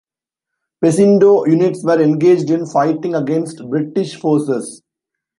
Pesindo units were engaged in fighting against British forces.